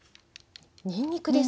にんにくですね。